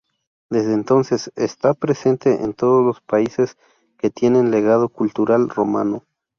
Desde entonces está presente en todos los países que tienen legado cultural romano.